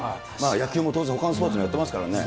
野球も当然、ほかのスポーツもやってますからね。